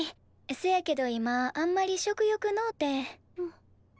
そやけど今あんまり食欲のうて。